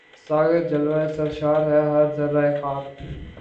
ساغر جلوۂ سرشار ہے ہر ذرۂ خاک